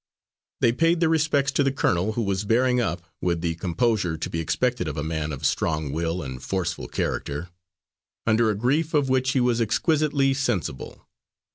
They paid their respects to the colonel, who was bearing up, with the composure to be expected of a man of strong will and forceful character, under a grief of which he was exquisitely sensible.